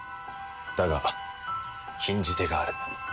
だが禁じ手がある。